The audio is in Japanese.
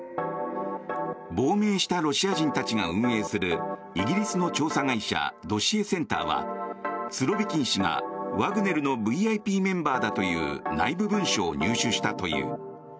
亡命したロシア人たちが運営するイギリスの調査会社ドシエセンターはスロビキン氏がワグネルのＶＩＰメンバーだという内部文書を入手したという。